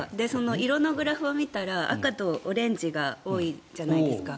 色のグラフを見たら赤とオレンジが多いじゃないですか。